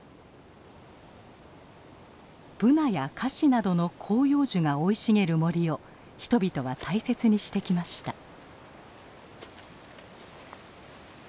ブナやカシなどの広葉樹が生い茂る森を人々は大切にしてきました。